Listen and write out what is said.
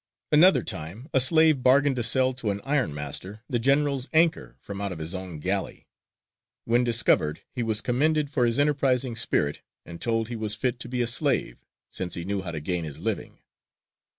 Another time, a slave bargained to sell to an ironmaster the general's anchor from out of his own galley: when discovered, he was commended for his enterprising spirit, and told he was fit to be a slave, since he knew how to gain his living.